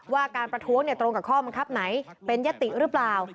ว่าการประท้วงตรงกับข้อบังคับไหนเป็นยติหรือเปล่า